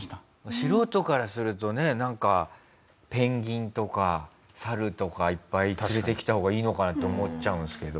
素人からするとねなんかペンギンとかサルとかいっぱい連れてきた方がいいのかなって思っちゃうんですけど。